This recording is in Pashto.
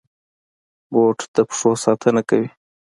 بوټ د پښو ساتنه کوي.